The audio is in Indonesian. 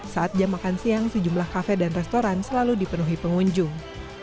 saat jam makan siang sejumlah kafe dan restoran selalu dipenuhi pengunjung